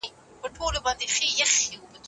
ورزش کول د روغتیا لپاره ښه دی.